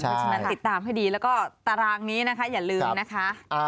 ใช่ติดตามให้ดีแล้วก็ตารางนี้อย่าลืมนะคะ